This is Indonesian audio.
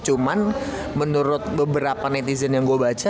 cuman menurut beberapa netizen yang gue baca